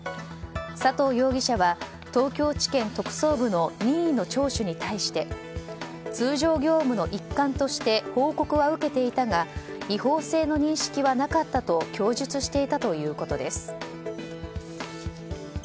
佐藤容疑者は、東京地検特捜部の任意の聴取に対して通常業務の一環として報告は受けていたが違法性の認識はなかったと供述していたということです。